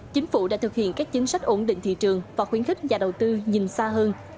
chính phủ đã thực hiện các chính sách ổn định thị trường và khuyến khích nhà đầu tư nhìn xa hơn